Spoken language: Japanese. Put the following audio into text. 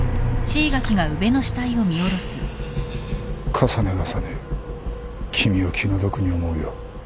重ね重ね君を気の毒に思うよ。